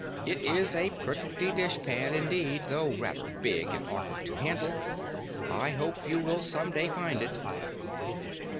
It is a pretty dishpan, indeed, though rather big and awkward to handle. I hope you will some day find it."